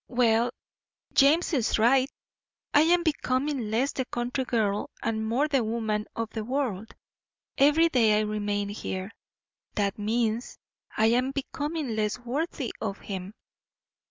Well, James is right; I am becoming less the country girl and more the woman of the world every day I remain here. That means I am becoming less worthy of him.